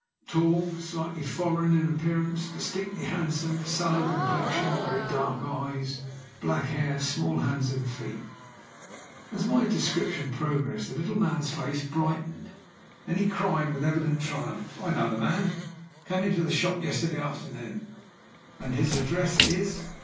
"Tall, slightly foreign in appearance, distinctly handsome, sallow complexion, very dark eyes, black hair, small hands and feet." As my description progressed the little man's face brightened. Then he cried with evident triumph "I know the man; he came into the shop yesterday afternoon." "And his address is?"